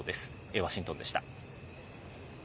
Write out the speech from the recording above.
ワシントンでした。